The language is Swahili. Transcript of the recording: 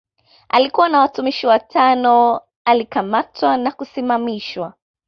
Alikuwa na watumishi watano alikamatwa na kusimamishwa